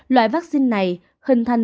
loại vaccine này hình thành